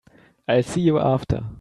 I'll see you after.